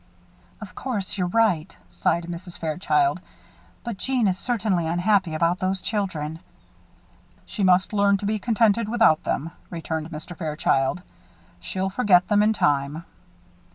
"Of course you're right," sighed Mrs. Fairchild; "but Jeanne is certainly unhappy about those children." "She must learn to be contented without them," returned Mr. Fairchild. "She'll forget them, in time."